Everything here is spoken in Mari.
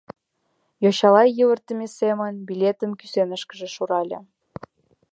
Йочала йывыртыме семын билетым кӱсенышкыже шурале.